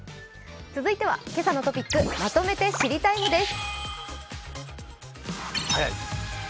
続いては「けさのトピックまとめて知りＴＩＭＥ，」です。